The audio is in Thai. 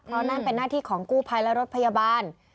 เพราะนั่นเป็นหน้าที่ของกู้ภัยและรถพยาบาล